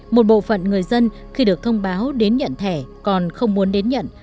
một bộ phận người dân khi được thông báo đến nhận thẻ còn không muốn đến nhận